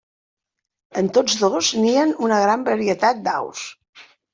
En tots dos nien una gran varietat d'aus.